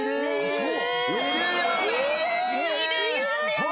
そう！